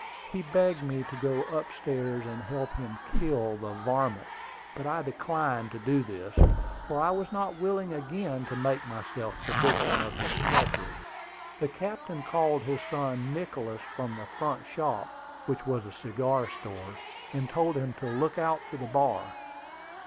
He begged me to go up stairs, and help him kill the "varmint;" but I declined to do this, for I was not willing again to make myself the victim of his treachery. The captain called his son Nicholas from the front shop, which was a cigar store, and told him to look out for the bar.